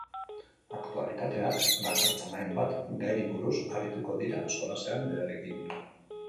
Aktualitateak dakartzan hainbat gairi buruz arituko dira solasean berarekin.